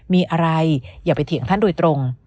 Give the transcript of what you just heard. มีอะไรอย่าไปเถียงท่านโดยตรง